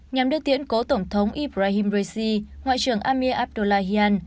nhằm đưa tiễn cố tổng thống ibrahim raisi ngoại trưởng amir abdullahian